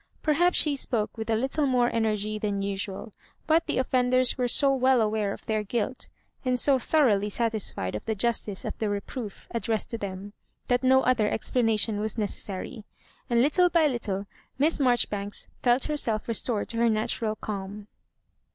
Perhaps she spoke with a little more energy than usual ; but the offenders were so well aware of their guilt, and so* tho roughly satisfied of the justice of the reproof ad dressed to them, that no other explanation was necessary; and little by little. Miss Marjon banks felt herself restored to her natural calm.